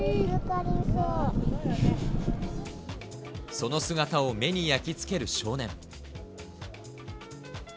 その姿を目に焼き付ける少年。